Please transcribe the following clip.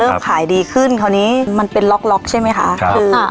ขายดีขึ้นคราวนี้มันเป็นล็อกล็อกใช่ไหมคะคือ